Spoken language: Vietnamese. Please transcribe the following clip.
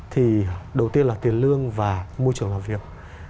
thì đầu tiên là tiền lương và môi trường làm việc